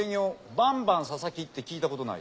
バンバン佐々木って聞いたことない？